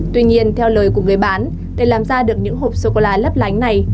tuy nhiên theo lời của người bán để làm ra được những hộp sô cô la lấp lánh này